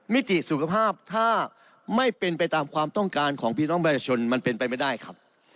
มิติสุขภาพถ้าไม่เป็นไปตามความต้องการของพี่น้องประชาชนมันเป็นไปไม่ได้ครับ